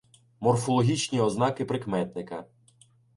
Морфологічні ознаки прикметника